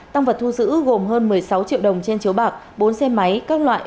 tăng vật thu giữ gồm hơn một mươi sáu triệu đồng trên chiếu bạc bốn xe máy các loại